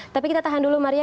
tapi kita tahan dulu maria